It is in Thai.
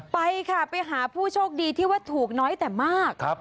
ไปค่ะไปหาผู้โชคดีที่ว่าถูกน้อยแต่มาก